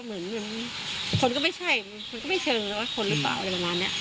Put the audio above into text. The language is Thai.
เหมือนคนก็ไม่ใช่คนก็ไม่เชิงเลยว่าคนหรือเปล่าอะไรประมาณเนี้ย